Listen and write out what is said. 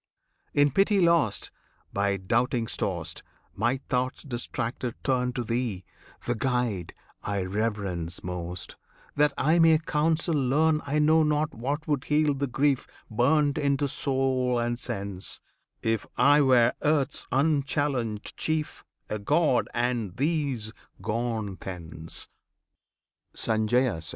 In pity lost, by doubtings tossed, My thoughts distracted turn To Thee, the Guide I reverence most, That I may counsel learn: I know not what would heal the grief Burned into soul and sense, If I were earth's unchallenged chief A god and these gone thence! Sanjaya.